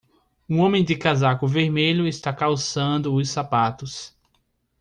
Um homem de casaco vermelho está calçando os sapatos.